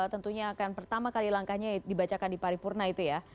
tentunya akan pertama kali langkahnya dibacakan di paripurna itu ya